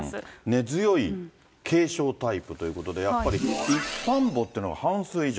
根強い継承タイプということで、やっぱり一般墓っていうのが半数以上。